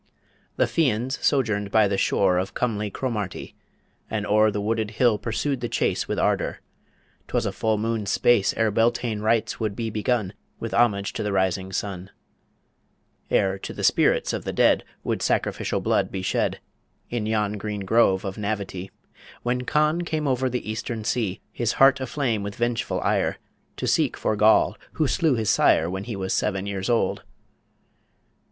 The Fians sojourned by the shore Of comely Cromarty, and o'er The wooded hill pursued the chase With ardour. 'Twas a full moon's space Ere Beltane rites would be begun With homage to the rising sun Ere to the spirits of the dead Would sacrificial blood be shed In yon green grove of Navity When Conn came over the Eastern Sea, His heart aflame with vengeful ire, To seek for Goll, who slew his sire When he was seven years old.